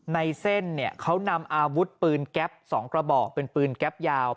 ในเส้นเนี่ยเขานำอาวุธปืนแก๊ป๒กระบอกเป็นปืนแก๊ปยาว